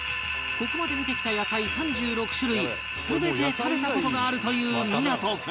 ここまで見てきた野菜３６種類全て食べた事があるという湊君